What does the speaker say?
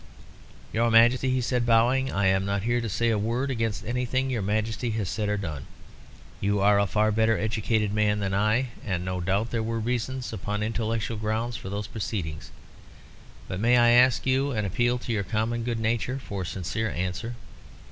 "Your Majesty," he said, bowing, "I am not here to say a word against anything your Majesty has said or done. You are a far better educated man than I, and no doubt there were reasons, upon intellectual grounds, for those proceedings. But may I ask you and appeal to your common good nature for a sincere answer?